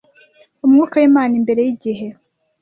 Umwuka w'Imana imbere yigihe